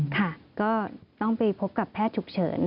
ค่ะก็ต้องไปพบกับแพทย์ฉุกเฉิน